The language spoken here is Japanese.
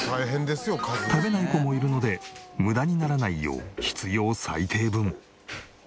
食べない子もいるので無駄にならないよう必要最低分。